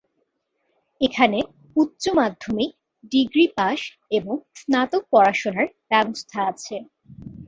এখানে উচ্চ মাধ্যমিক, ডিগ্রি পাশ এবং স্নাতক পড়াশোনার ব্যবস্থা আছে।